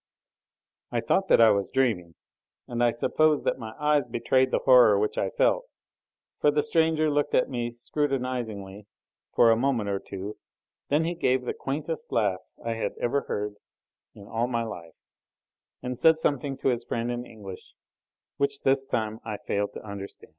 I thought that I was dreaming, and I suppose that my eyes betrayed the horror which I felt, for the stranger looked at me scrutinisingly for a moment or two, then he gave the quaintest laugh I had ever heard in all my life, and said something to his friend in English, which this time I failed to understand.